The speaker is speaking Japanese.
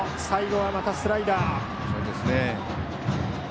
最後はまたスライダー。